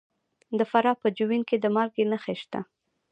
د فراه په جوین کې د مالګې نښې شته.